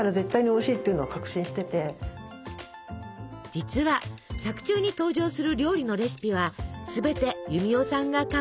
実は作中に登場する料理のレシピは全てユミヲさんが考えたもの。